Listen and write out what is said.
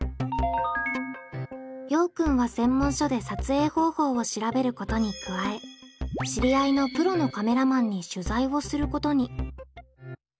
ようくんは専門書で撮影方法を調べることに加え知り合いのプロのカメラマンに取材をすることに。